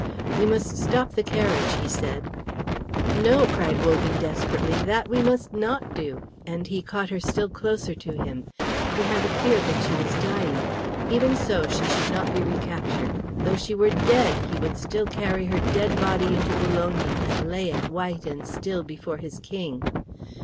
"We must stop the carriage," he said. "No," cried Wogan, desperately; "that we must not do;" and he caught her still closer to him. He had a fear that she was dying. Even so, she should not be recaptured. Though she were dead, he would still carry her dead body into Bologna and lay it white and still before his King.